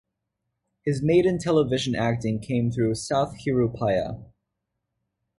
His maiden television acting came through "Sath Hiru Paya".